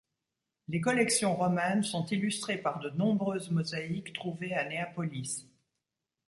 Les collections romaines sont illustrées par de nombreuses mosaïques trouvées à Néapolis.